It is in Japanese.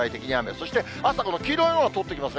そして朝、この黄色い円が通っていきますね。